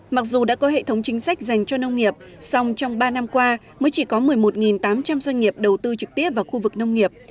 mặc dù đã có hệ thống chính sách dành cho nông nghiệp song trong ba năm qua mới chỉ có một mươi một tám trăm linh doanh nghiệp đầu tư trực tiếp vào khu vực nông nghiệp